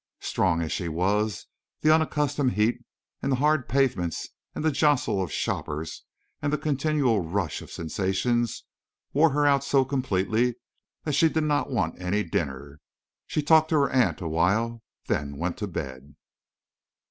Strong as she was, the unaccustomed heat and the hard pavements and the jostle of shoppers and the continual rush of sensations wore her out so completely that she did not want any dinner. She talked to her aunt a while, then went to bed.